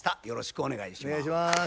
よろしくお願いします。